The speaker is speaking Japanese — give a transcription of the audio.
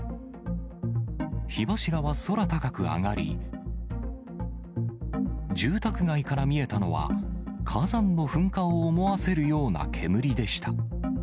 火柱は空高く上がり、住宅街から見えたのは、火山の噴火を思わせるような煙でした。